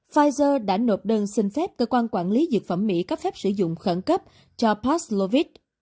pfizer đã nộp đơn xin phép cơ quan quản lý dược phẩm mỹ cấp phép sử dụng khẩn cấp cho pastlovit